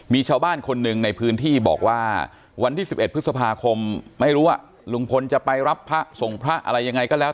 มีชาวบ้านคนหนึ่งในพื้นที่บอกว่าวันที่๑๑พฤษภาคมไม่รู้ว่าลุงพลจะไปรับพระส่งพระอะไรยังไงก็แล้ว